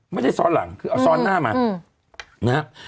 ไม่ใช่ซ่อนหลังซ่อนหน้ามา